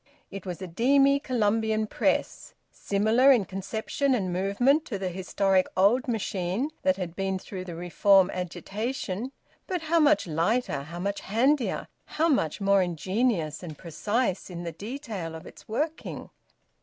It was a Demy Columbian Press, similar in conception and movement to the historic `old machine' that had been through the Reform agitation; but how much lighter, how much handier, how much more ingenious and precise in the detail of its working!